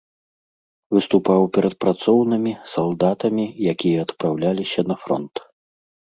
Выступаў перад працоўнымі, салдатамі, якія адпраўляліся на фронт.